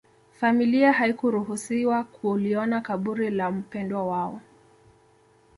familia haikuruhusiwa kuliona kaburi la mpwendwa wao